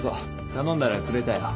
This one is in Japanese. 頼んだらくれたよ。